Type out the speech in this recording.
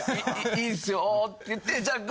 「いいですよ」って言って。